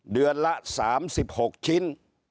เดือนละ๓๖ชิ้น